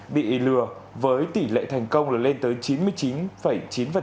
bị lừa với tỷ lệ thành công lên tới chín mươi chín chín